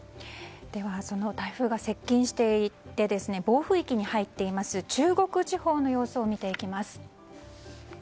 その台風が接近していて暴風域に入っています中国地方の様子を見ていきます。